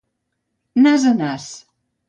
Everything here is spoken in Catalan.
Nas a nas.